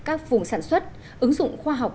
các vùng sản xuất ứng dụng khoa học